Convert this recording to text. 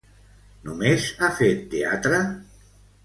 Només ha fet teatre?